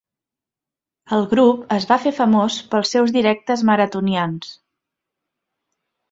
El grup es va fer famós pels seus directes maratonians.